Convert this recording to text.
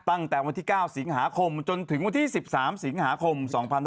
ตั้งแต่วันที่๙สิงหาคมจนถึงวันที่๑๓สิงหาคม๒๕๖๒